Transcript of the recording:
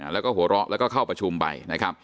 แล้วก็หัวเราะแล้วก็เข้าประชุมไปนะครับ